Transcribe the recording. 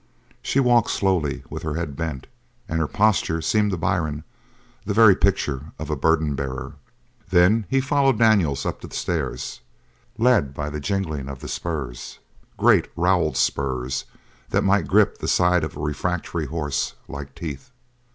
She walked slowly, with her head bent, and her posture seemed to Byrne the very picture of a burden bearer. Then he followed Daniels up the stairs, led by the jingling of the spurs, great rowelled spurs that might grip the side of a refractory horse like teeth.